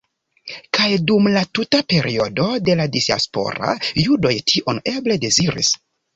Kaj dum la tuta periodo de la Diasporo judoj tion eble deziris.